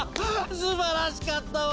すばらしかったわ！